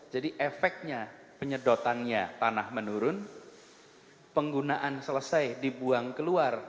jadi efeknya penyedotannya tanah menurun penggunaan selesai dibuang keluar